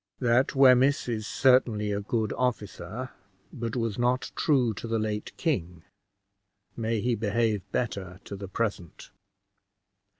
That Wemyss is certainly a good officer, but was not true to the late king: may he behave better to the present!